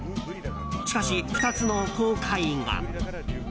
しかし、２つの後悔が。